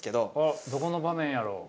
どこの場面やろ。